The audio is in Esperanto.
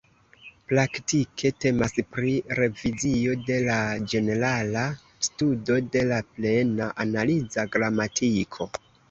Praktike temas pri revizio de la ĝenerala studo de la Plena Analiza Gramatiko.